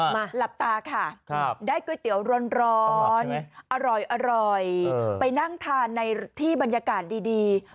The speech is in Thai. หลับตาค่ะได้ก๋วยเตี๋ยวร้อนอร่อยไปนั่งทานในที่บรรยากาศดี